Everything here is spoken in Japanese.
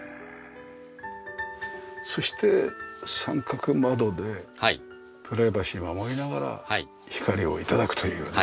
そして三角窓でプライバシーを守りながら光を頂くというね。